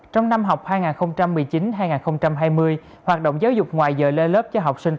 trong năm học hai nghìn một mươi chín hai nghìn hai mươi hoạt động giáo dục ngoài giờ lên lớp cho học sinh